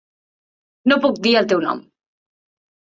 No puc dir el teu nom.